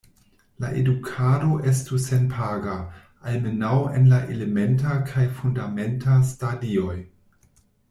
La edukado estu senpaga, almenaŭ en la elementa kaj fundamenta stadioj.